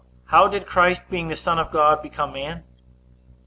How did Christ, being the Son of God, become man?